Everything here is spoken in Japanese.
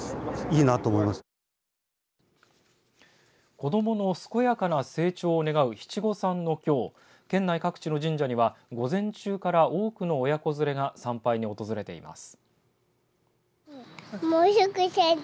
子どもの健やかな成長を願う七五三のきょう県内各地の神社には午前中から多くの親子連れが参拝に訪れています。